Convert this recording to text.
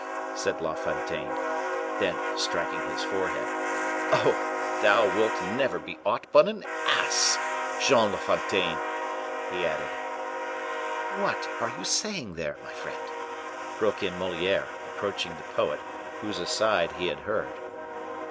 said La Fontaine. Then, striking his forehead, "Oh, thou wilt never be aught but an ass, Jean La Fontaine!" he added. "What are you saying there, my friend?" broke in Moliere, approaching the poet, whose aside he had heard.